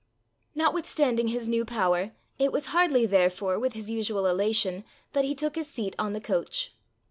Notwithstanding his new power, it was hardly, therefore, with his usual elation, that he took his seat on the coach.